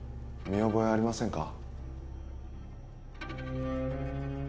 見覚えありませんか？